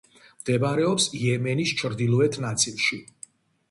მდებარეობს იემენის ჩრდილოეთ ნაწილში.